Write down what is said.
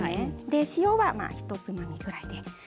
塩は、ひとつまみぐらいです。